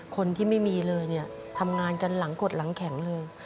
คนที่ไม่มีเลยเนี่ยทำงานกันหลังกดหลังแข็งเลย